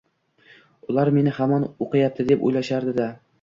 Ular meni hamon o’qiyapti, deb o’ylashardi-da.